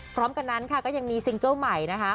พร้อมกันนั้นค่ะก็ยังมีซิงเกิ้ลใหม่นะคะ